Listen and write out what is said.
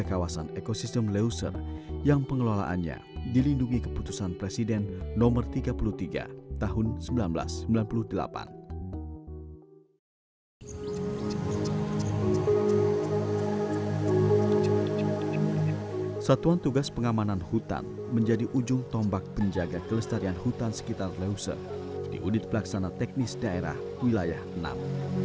enam kabupaten tersebut diantaranya adalah blangpidi tapaktuan aceh singkil kutacani dan subulus salam